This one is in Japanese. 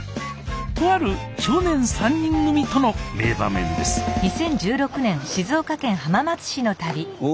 とある少年３人組との名場面ですおお。